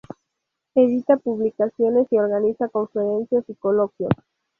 Edita publicaciones y organiza conferencias y coloquios.